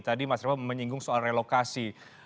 tadi mas revo menyinggung soal relokasi